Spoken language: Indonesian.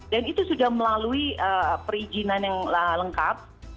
dan itu sudah melalui perizinan yang lengkap